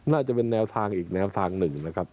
น่าจะเป็นแนวทางอีกแนวทางหนึ่งนะครับ